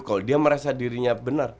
kalau dia merasa dirinya benar